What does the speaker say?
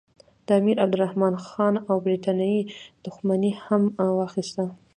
د امیرعبدالرحمن خان او برټانیې دښمني یې هم واخیسته.